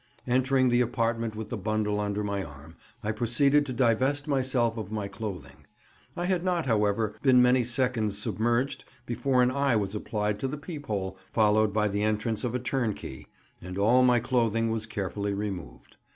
Entering the apartment with the bundle under my arm, I proceeded to divest myself of my clothing. I had not, however, been many seconds submerged before an eye was applied to the peephole, followed by the entrance of a turnkey, and all my clothing was carefully removed.